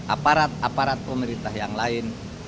aparat aparat pemerintah yang lain